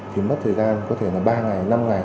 thì mất thời gian có thể là ba ngày năm ngày